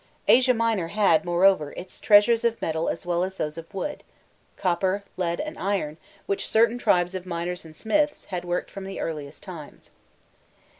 Asia Minor had, moreover, its treasures of metal as well as those of wood copper, lead, and iron, which certain tribes of miners and smiths, had worked from the earliest times.